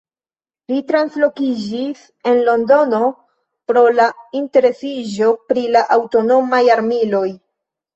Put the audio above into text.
Li translokiĝis en Londonon, pro la interesiĝo pri la aŭtomataj armiloj.